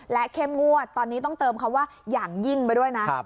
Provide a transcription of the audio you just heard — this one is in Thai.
และเข้มงวดตอนนี้ต้องเติมคำว่าอย่างยิ่งไปด้วยนะ